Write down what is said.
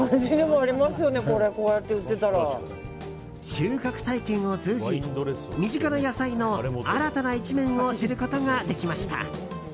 収穫体験を通じ身近な野菜の新たな一面を知ることができました。